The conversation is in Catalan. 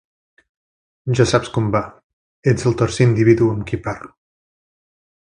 Ja saps com va, ets el tercer individu amb qui parlo.